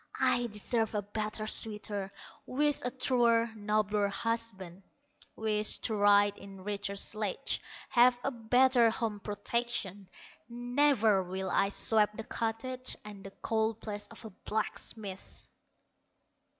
I deserve a better suitor, Wish a truer, nobler husband, Wish to ride in richer sledges, Have a better home protection; Never will I sweep the cottage And the coal place of a blacksmith."